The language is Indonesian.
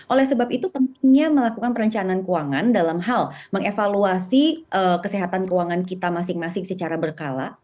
oleh sebab itu pentingnya melakukan perencanaan keuangan dalam hal mengevaluasi kesehatan keuangan kita masing masing secara berkala